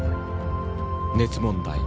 熱問題。